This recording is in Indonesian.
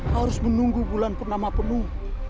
kau harus menunggu bulan penama penuh